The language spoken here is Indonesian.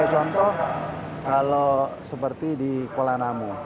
contoh kalau seperti di kuala namu